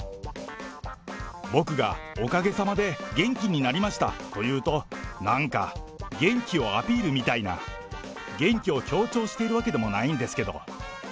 僕がおかげさまで元気になりましたと言うとなんか元気をアピールみたいな、元気を強調しているわけでもないんですけど。